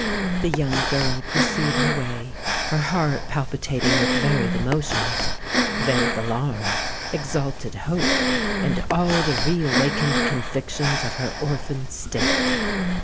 The young girl pursued her way—her heart palpitating with varied emotions,—vague alarm, exalted hope, and all the re awakened convictions of her orphan state.